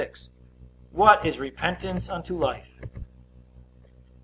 What is repentance unto life?